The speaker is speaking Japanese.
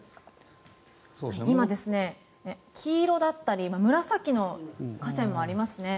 今、黄色だったり紫の河川もありますね。